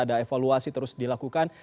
ada evaluasi terus dilakukan